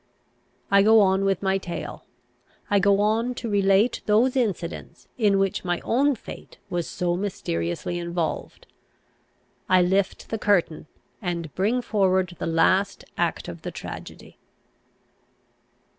I go on with my tale. I go on to relate those incidents in which my own fate was so mysteriously involved. I lift the curtain, and bring forward the last act of the tragedy.